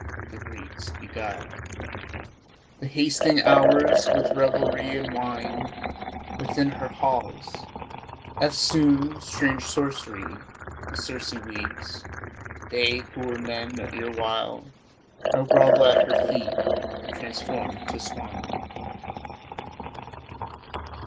The Greeks beguile The hasting hours with revelry and wine Within her halls.... Eftsoon strange sorcery The Circe weaves. They who were men erewhile Now grovel at her feet, transformed to swine.